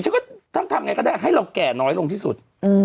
ฉันก็ทั้งทำไงก็ได้ให้เราแก่น้อยลงที่สุด